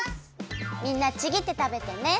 みんなちぎってたべてね。